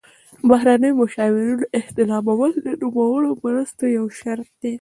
د بهرنیو مشاورینو استخدامول د نوموړو مرستو یو شرط دی.